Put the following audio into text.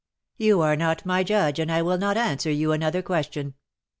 "You are not my judge, and I will not answer you another question."